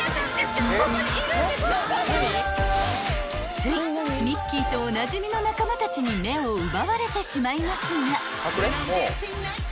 ［ついミッキーとおなじみの仲間たちに目を奪われてしまいますが］